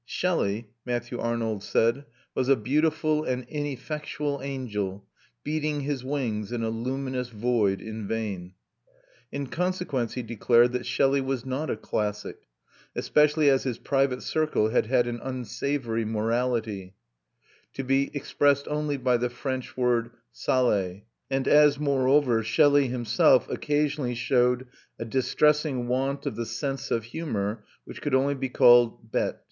Shelley, Matthew Arnold said, was "a beautiful and ineffectual angel, beating his wings in a luminous void in vain." In consequence he declared that Shelley was not a classic, especially as his private circle had had an unsavoury morality, to be expressed only by the French word sale, and as moreover Shelley himself occasionally showed a distressing want of the sense of humour, which could only be called bête.